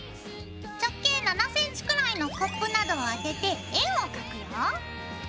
直径７ｃｍくらいのコップなどを当てて円を描くよ。